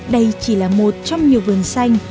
đây chỉ là một trong nhiều vườn xanh